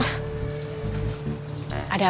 pak v licinan tra rainimya juga